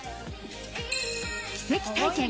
「奇跡体験！